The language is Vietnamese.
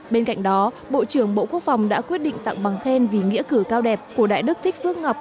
bên cạnh đó bộ trưởng bộ quốc phòng đã quyết định tặng bằng khen vì nghĩa cử cao đẹp của đại đức thích phước ngọc